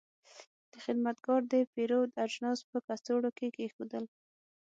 دا خدمتګر د پیرود اجناس په کڅوړو کې کېښودل.